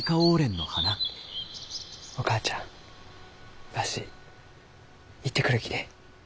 お母ちゃんわし行ってくるきね。